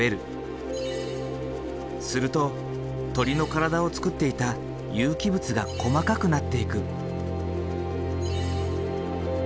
すると鳥の体をつくっていた有機物が細かくなっていく。